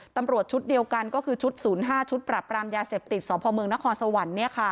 ตำรวจชุดเดียวกันก็คือชุดศูนย์ห้าชุดปรับกรามยาเสพติใช้ที่สวมปลเมืองนครสวรรค์